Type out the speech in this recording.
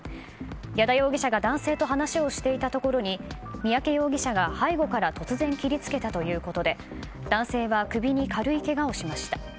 矢田容疑者が男性と話をしていたところに三宅容疑者が背後から突然切りつけたということで男性は首に軽いけがをしました。